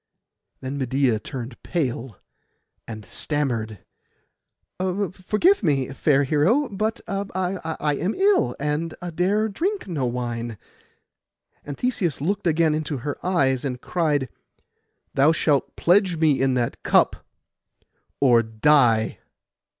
Then Medeia turned pale, and stammered, 'Forgive me, fair hero; but I am ill, and dare drink no wine.' And Theseus looked again into her eyes, and cried, 'Thou shalt pledge me in that cup, or die.